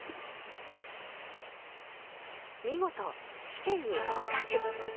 見事試験に合格。